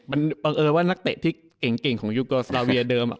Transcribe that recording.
มันบังเอิญว่านักเตะที่เก่งของยูเกอร์สลาเวียเดิม